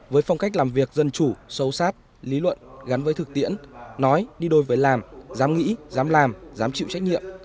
với phong cách làm việc dân chủ sâu sát lý luận gắn với thực tiễn nói đi đôi với làm dám nghĩ dám làm dám chịu trách nhiệm